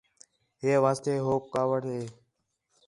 ہے واسطے ہو کاوِڑ ہے